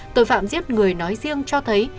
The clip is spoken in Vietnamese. tội phạm giết người nói riêng cho thấy